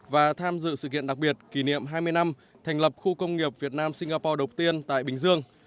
và tham dự sự kiện đặc biệt kỷ niệm hai mươi năm thành lập khu công nghiệp việt nam singapore đầu tiên tại bình dương